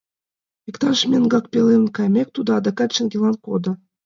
Иктаж меҥгат пелым кайымек, тудо адакат шеҥгелан кодо.